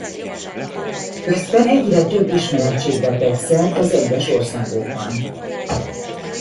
Közben egyre több ismeretségre tett szert az egyes országokban.